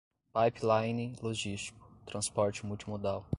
pipeline logístico, transporte multimodal